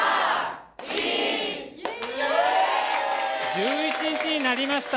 １１日になりました。